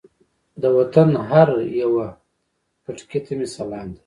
د وطن هر یوه پټکي ته مې سلام دی.